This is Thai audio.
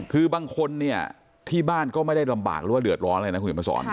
คือบางคนเนี่ยที่บ้านก็ไม่ได้ลำบากหรือว่าเดือดร้อนอะไรนะคุณเห็นมาสอน